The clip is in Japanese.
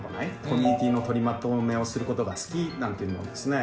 「コミュニティの取りまとめをすることが好き」なんていうのもですね